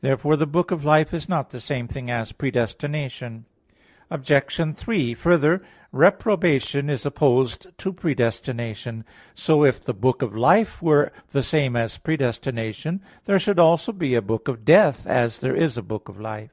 Therefore the book of life is not the same thing as predestination. Obj. 3: Further, reprobation is opposed to predestination. So, if the book of life were the same as predestination, there should also be a book of death, as there is a book of life.